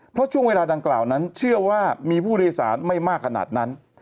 เพราะช่วงเวลาดังกล่าวนั้นเชื่อว่ามีผู้โดยสารไม่มากขนาดนั้น